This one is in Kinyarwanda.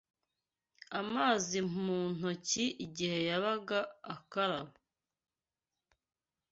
amazi mu ntoki igihe yabaga akaraba